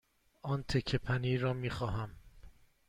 آن تکه پنیر را می خواهم.